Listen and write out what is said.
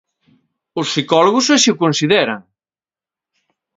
Os psicólogos así o consideran.